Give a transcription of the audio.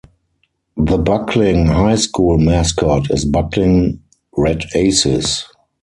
The Bucklin High School mascot is Bucklin Red Aces.